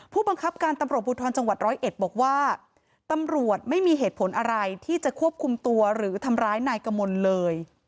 ผู้บังคับการตำรวจภูทรจังหวัดร้อยเอ็ดบอกว่าตำรวจไม่มีเหตุผลอะไรที่จะควบคุมตัวหรือทำร้ายนายกมลเลย